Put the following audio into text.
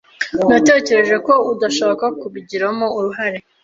Natekereje ko udashaka kubigiramo uruhare.